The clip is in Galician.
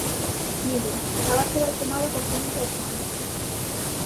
_Mire, a base vai tomada con cemento ó chan...